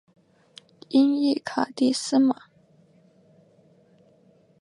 音译卡蒂斯玛。